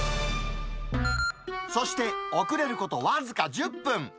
そして遅れること僅か１０分。